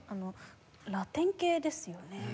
ラテン系ですよね。